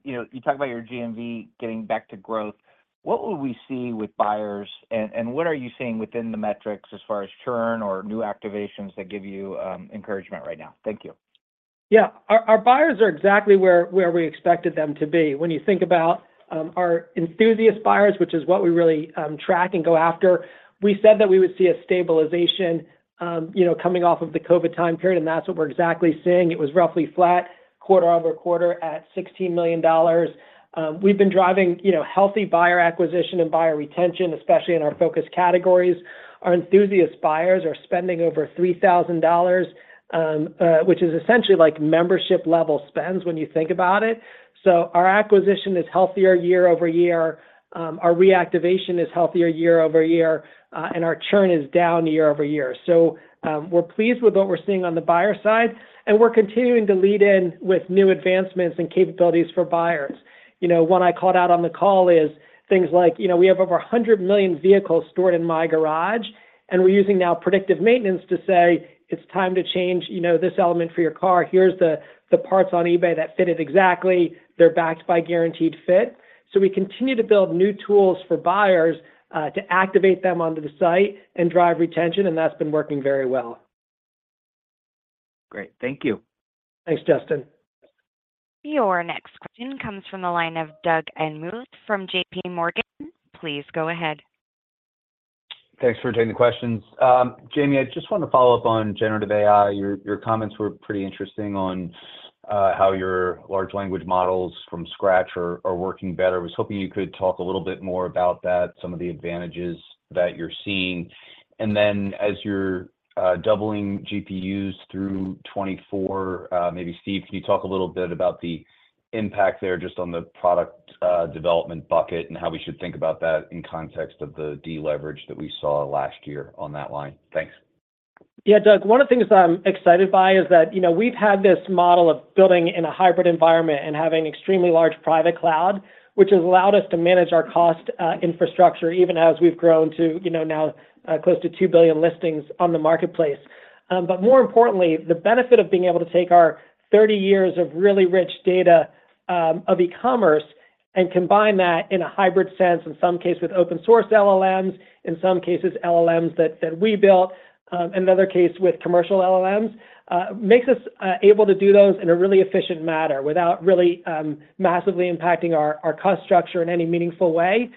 S8: You know, you talk about your GMV getting back to growth. What will we see with buyers, and, and what are you seeing within the metrics as far as churn or new activations that give you encouragement right now? Thank you.
S3: Yeah. Our buyers are exactly where we expected them to be. When you think about our enthusiast buyers, which is what we really track and go after, we said that we would see a stabilization, you know, coming off of the COVID time period, and that's what we're exactly seeing. It was roughly flat quarter-over-quarter at $16 million. We've been driving, you know, healthy buyer acquisition and buyer retention, especially in our Focus Categories. Our enthusiast buyers are spending over $3,000, which is essentially like membership-level spends when you think about it. So our acquisition is healthier year-over-year, our reactivation is healthier year-over-year, and our churn is down year-over-year. So, we're pleased with what we're seeing on the buyer side, and we're continuing to lead in with new advancements and capabilities for buyers. You know, one I called out on the call is things like, you know, we have over 100 million vehicles stored in My Garage, and we're using now predictive maintenance to say, "It's time to change, you know, this element for your car. Here's the, the parts on eBay that fit it exactly. They're backed by Guaranteed Fit." So we continue to build new tools for buyers, to activate them onto the site and drive retention, and that's been working very well.
S8: Great. Thank you.
S3: Thanks, Justin.
S1: Your next question comes from the line of Doug Anmuth from JPMorgan. Please go ahead.
S9: Thanks for taking the questions. Jamie, I just wanted to follow up on generative AI. Your, your comments were pretty interesting on how your large language models from scratch are working better. I was hoping you could talk a little bit more about that, some of the advantages that you're seeing. And then, as you're doubling GPUs through 2024, maybe, Steve, can you talk a little bit about the impact there just on the product development bucket and how we should think about that in context of the deleverage that we saw last year on that line? Thanks.
S3: Yeah, Doug, one of the things I'm excited by is that, you know, we've had this model of building in a hybrid environment and having extremely large private cloud, which has allowed us to manage our cost infrastructure, even as we've grown to, you know, now close to 2 billion listings on the marketplace. But more importantly, the benefit of being able to take our 30 years of really rich data of e-commerce and combine that in a hybrid sense, in some cases with open source LLMs, in some cases LLMs that we built, another case with commercial LLMs, makes us able to do those in a really efficient manner without really massively impacting our cost structure in any meaningful way.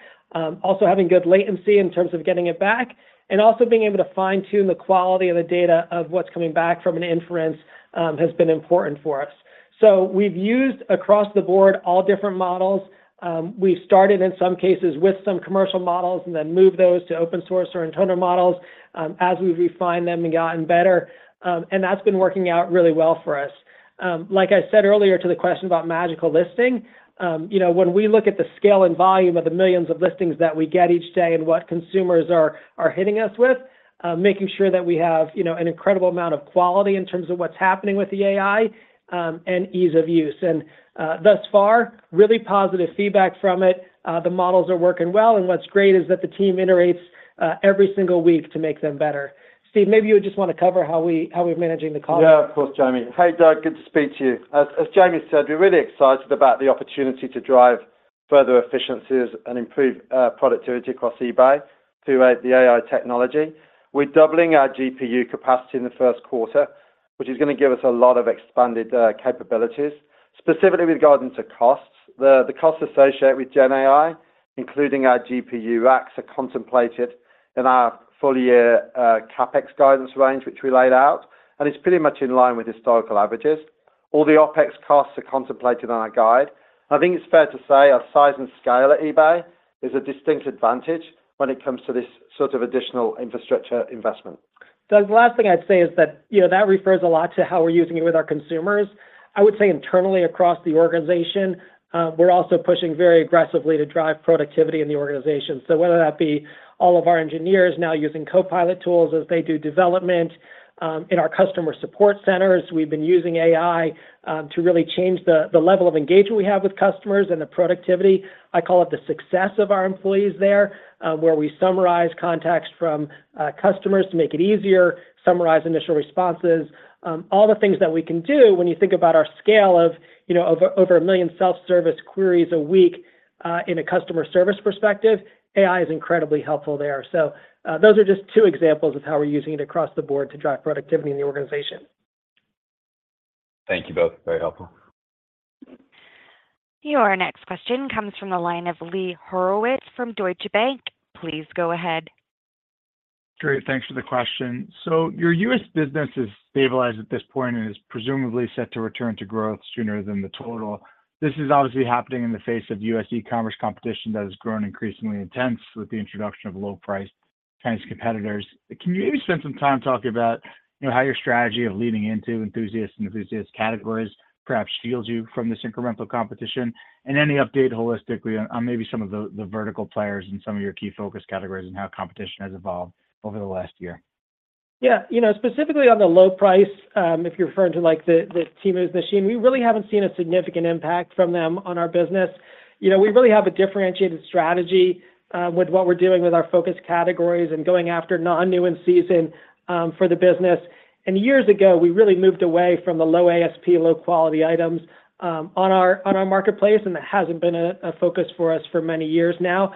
S3: Also having good latency in terms of getting it back, and also being able to fine-tune the quality of the data of what's coming back from an inference, has been important for us. So we've used, across the board, all different models. We've started, in some cases, with some commercial models and then moved those to open source or internal models, as we refine them and gotten better. And that's been working out really well for us. Like I said earlier to the question about magical listing, you know, when we look at the scale and volume of the millions of listings that we get each day and what consumers are hitting us with, making sure that we have, you know, an incredible amount of quality in terms of what's happening with the AI, and ease of use. Thus far, really positive feedback from it. The models are working well, and what's great is that the team iterates every single week to make them better. Steve, maybe you just want to cover how we're managing the call.
S4: Yeah, of course, Jamie. Hey, Doug, good to speak to you. As Jamie said, we're really excited about the opportunity to drive further efficiencies and improve productivity across eBay through the AI technology. We're doubling our GPU capacity in the first quarter, which is going to give us a lot of expanded capabilities, specifically with regard to costs. The costs associated with GenAI, including our GPU costs, are contemplated in our full year CapEx guidance range, which we laid out, and it's pretty much in line with historical averages. All the OpEx costs are contemplated on our guide. I think it's fair to say our size and scale at eBay is a distinct advantage when it comes to this sort of additional infrastructure investment.
S3: Doug, the last thing I'd say is that, you know, that refers a lot to how we're using it with our consumers. I would say internally across the organization, we're also pushing very aggressively to drive productivity in the organization. So whether that be all of our engineers now using Copilot tools as they do development, in our customer support centers, we've been using AI to really change the level of engagement we have with customers and the productivity. I call it the success of our employees there, where we summarize contacts from customers to make it easier, summarize initial responses. All the things that we can do when you think about our scale of, you know, over 1 million self-service queries a week, in a customer service perspective, AI is incredibly helpful there. Those are just two examples of how we're using it across the board to drive productivity in the organization.
S9: Thank you both. Very helpful.
S1: Your next question comes from the line of Lee Horowitz from Deutsche Bank. Please go ahead.
S10: Great, thanks for the question. So your U.S. business is stabilized at this point and is presumably set to return to growth sooner than the total. This is obviously happening in the face of U.S. e-commerce competition that has grown increasingly intense with the introduction of low-priced Chinese competitors. Can you maybe spend some time talking about, you know, how your strategy of leaning into enthusiasts and enthusiast categories perhaps shields you from this incremental competition? And any update holistically on maybe some of the vertical players and some of your key Focus Categories and how competition has evolved over the last year?
S3: Yeah. You know, specifically on the low price, if you're referring to, like, the Temu's machine, we really haven't seen a significant impact from them on our business. You know, we really have a differentiated strategy with what we're doing with our Focus Categories and going after non-new in-season for the business. And years ago, we really moved away from the low ASP, low-quality items on our marketplace, and that hasn't been a focus for us for many years now.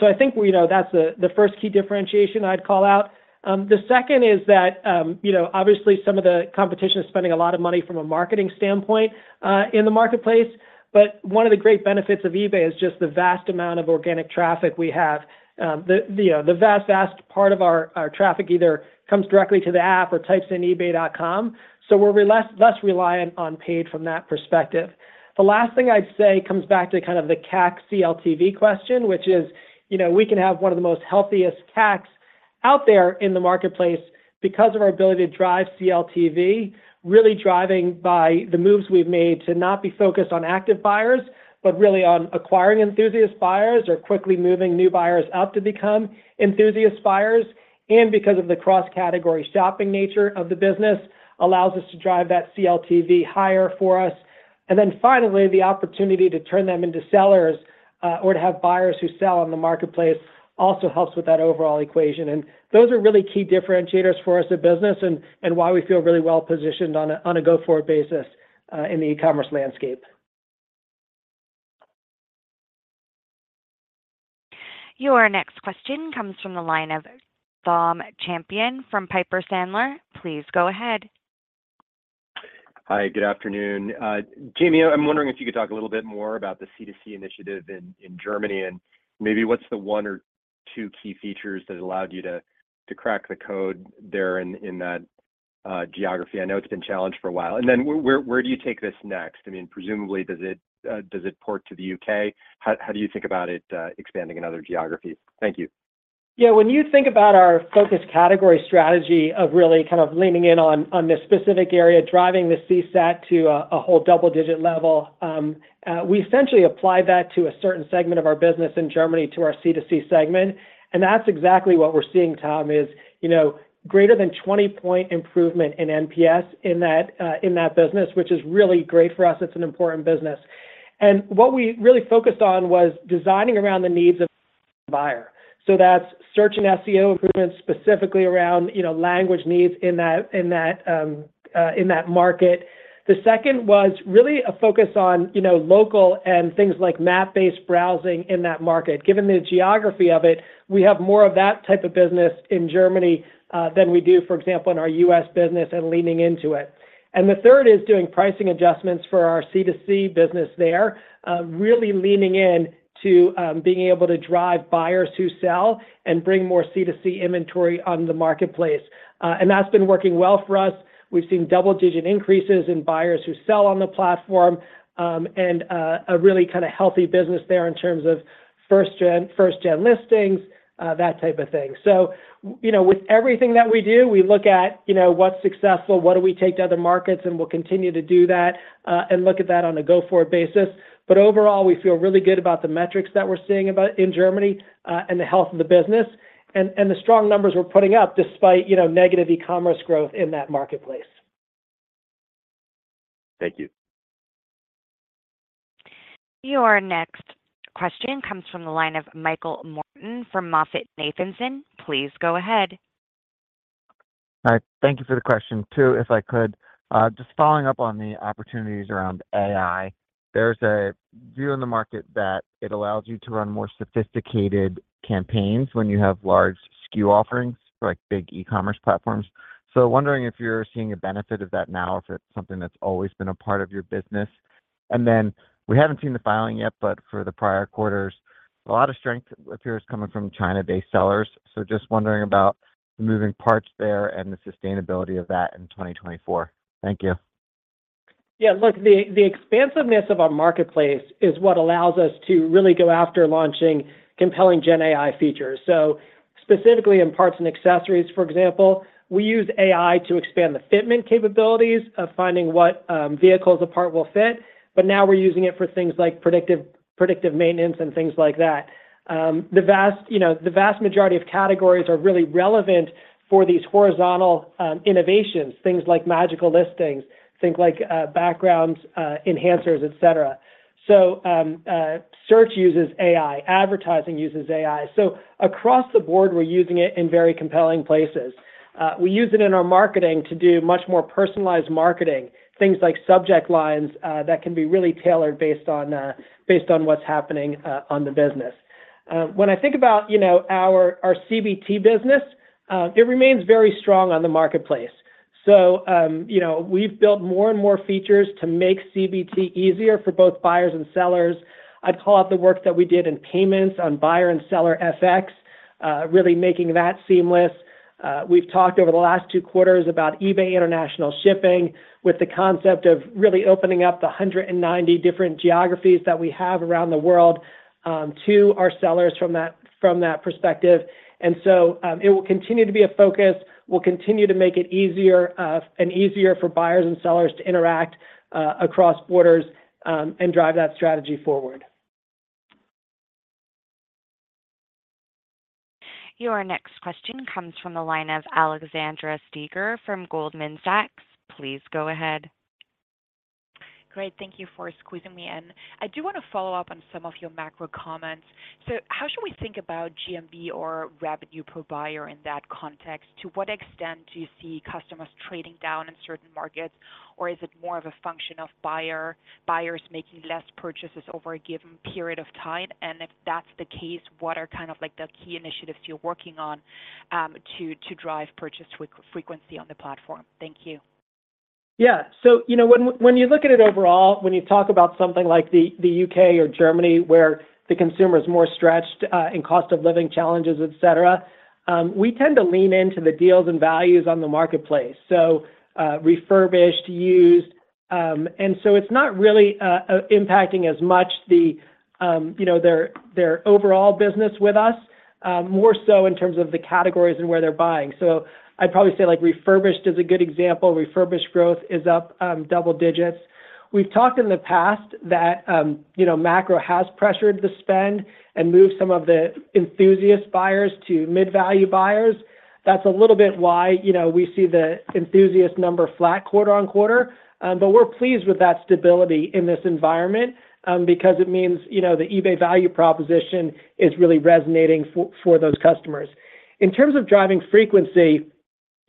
S3: So I think, you know, that's the first key differentiation I'd call out. The second is that, you know, obviously, some of the competition is spending a lot of money from a marketing standpoint in the marketplace, but one of the great benefits of eBay is just the vast amount of organic traffic we have. The vast part of our traffic either comes directly to the app or types in eBay.com, so we're less reliant on paid from that perspective. The last thing I'd say comes back to kind of the CAC CLTV question, which is, you know, we can have one of the most healthiest CACs out there in the marketplace because of our ability to drive CLTV, really driving by the moves we've made to not be focused on active buyers, but really on acquiring enthusiast buyers or quickly moving new buyers up to become enthusiast buyers. And because of the cross-category shopping nature of the business, allows us to drive that CLTV higher for us. And then finally, the opportunity to turn them into sellers, or to have buyers who sell on the marketplace also helps with that overall equation. Those are really key differentiators for us as a business and why we feel really well positioned on a go-forward basis in the e-commerce landscape.
S1: Your next question comes from the line of Tom Champion from Piper Sandler. Please go ahead.
S11: Hi, good afternoon. Jamie, I'm wondering if you could talk a little bit more about the C2C initiative in Germany, and maybe what's the one or two key features that allowed you to crack the code there in that geography? I know it's been a challenge for a while. And then where do you take this next? I mean, presumably, does it port to the UK? How do you think about it expanding in other geographies? Thank you.
S3: Yeah. When you think about our Focus Category strategy of really kind of leaning in on, on this specific area, driving the CSAT to a whole double-digit level, we essentially apply that to a certain segment of our business in Germany, to our C2C segment. And that's exactly what we're seeing, Tom, is, you know, greater than 20-point improvement in NPS in that business, which is really great for us. It's an important business. And what we really focused on was designing around the needs of the buyer. So that's search and SEO improvements, specifically around, you know, language needs in that market. The second was really a focus on, you know, local and things like map-based browsing in that market. Given the geography of it, we have more of that type of business in Germany than we do, for example, in our U.S. business and leaning into it. And the third is doing pricing adjustments for our C2C business there, really leaning into being able to drive buyers who sell and bring more C2C inventory on the marketplace. And that's been working well for us. We've seen double-digit increases in buyers who sell on the platform, and a really kind of healthy business there in terms of first-gen listings, that type of thing. So, you know, with everything that we do, we look at, you know, what's successful, what do we take to other markets, and we'll continue to do that, and look at that on a go-forward basis. Overall, we feel really good about the metrics that we're seeing about in Germany, and the health of the business, and the strong numbers we're putting up despite, you know, negative e-commerce growth in that marketplace.
S11: Thank you.
S1: Your next question comes from the line of Michael Morton from MoffettNathanson. Please go ahead.
S12: Hi, thank you for the question. Too, if I could, just following up on the opportunities around AI. There's a view in the market that it allows you to run more sophisticated campaigns when you have large SKU offerings, like big e-commerce platforms. So wondering if you're seeing a benefit of that now, or if it's something that's always been a part of your business? And then we haven't seen the filing yet, but for the prior quarters, a lot of strength appears coming from China-based sellers. So just wondering about the moving parts there and the sustainability of that in 2024. Thank you.
S3: Yeah, look, the expansiveness of our marketplace is what allows us to really go after launching compelling GenAI features. So specifically in Parts & Accessories, for example, we use AI to expand the fitment capabilities of finding what vehicles a part will fit. But now we're using it for things like predictive maintenance and things like that. The vast, you know, the vast majority of categories are really relevant for these horizontal innovations, things like magical listings, things like background enhancers, et cetera. So search uses AI, advertising uses AI. So across the board, we're using it in very compelling places. We use it in our marketing to do much more personalized marketing, things like subject lines that can be really tailored based on based on what's happening on the business. When I think about, you know, our CBT business, it remains very strong on the marketplace. So, you know, we've built more and more features to make CBT easier for both buyers and sellers. I'd call out the work that we did in payments on buyer and seller FX, really making that seamless. We've talked over the last two quarters about eBay International Shipping, with the concept of really opening up the 190 different geographies that we have around the world, to our sellers from that perspective. And so, it will continue to be a focus. We'll continue to make it easier and easier for buyers and sellers to interact across borders and drive that strategy forward.
S1: Your next question comes from the line of Alexandra Steiger from Goldman Sachs. Please go ahead.
S13: Great. Thank you for squeezing me in. I do want to follow up on some of your macro comments. So how should we think about GMV or revenue per buyer in that context? To what extent do you see customers trading down in certain markets, or is it more of a function of buyers making less purchases over a given period of time? And if that's the case, what are kind of like the key initiatives you're working on, to drive purchase frequency on the platform? Thank you.
S3: Yeah, so you know, when you look at it overall, when you talk about something like the UK or Germany, where the consumer is more stretched in cost of living challenges, et cetera, we tend to lean into the deals and values on the marketplace, so refurbished, used. And so it's not really impacting as much the, you know, their overall business with us, more so in terms of the categories and where they're buying. So I'd probably say, like, refurbished is a good example. Refurbished growth is up double digits. We've talked in the past that, you know, macro has pressured the spend and moved some of the enthusiast buyers to mid-value buyers. That's a little bit why, you know, we see the enthusiast number flat quarter-over-quarter. But we're pleased with that stability in this environment, because it means, you know, the eBay value proposition is really resonating for, for those customers. In terms of driving frequency,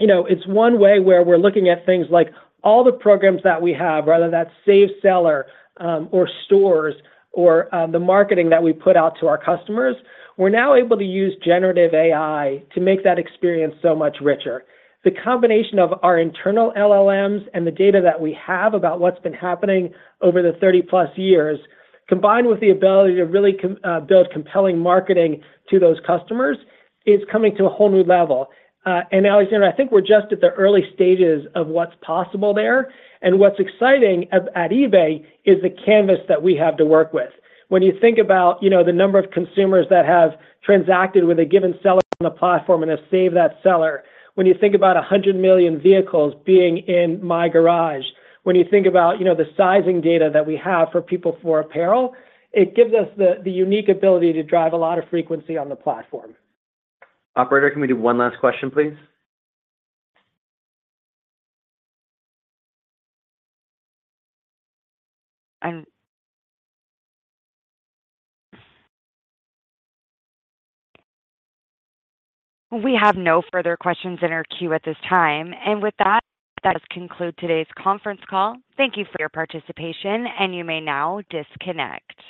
S3: you know, it's one way where we're looking at things like all the programs that we have, whether that's pro seller, or stores or, the marketing that we put out to our customers, we're now able to use generative AI to make that experience so much richer. The combination of our internal LLMs and the data that we have about what's been happening over the 30+ years, combined with the ability to really build compelling marketing to those customers, is coming to a whole new level. And Alexandra, I think we're just at the early stages of what's possible there. What's exciting at eBay is the canvas that we have to work with. When you think about, you know, the number of consumers that have transacted with a given seller on the platform and have saved that seller, when you think about, you know, 100 million vehicles being in My Garage, when you think about, you know, the sizing data that we have for people for apparel, it gives us the unique ability to drive a lot of frequency on the platform.
S2: Operator, can we do one last question, please?
S1: We have no further questions in our queue at this time. With that, that does conclude today's conference call. Thank you for your participation, and you may now disconnect.